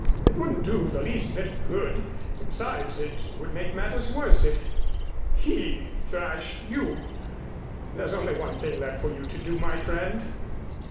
It wouldn't do the least bit of good, and besides it would make matters worse if he thrashed you. There's only one thing left for you to do, my friend."